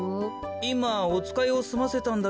いまおつかいをすませたんだけど。